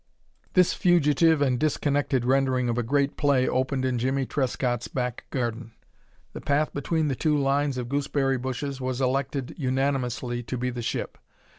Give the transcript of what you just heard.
This fugitive and disconnected rendering of a great play opened in Jimmie Trescott's back garden. The path between the two lines of gooseberry bushes was elected unanimously to be the ship.